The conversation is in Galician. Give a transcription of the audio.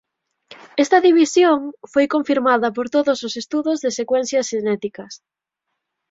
Esta división foi confirmada por todos os estudos de secuencias xenéticas.